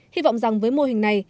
hy vọng rằng với mô hình này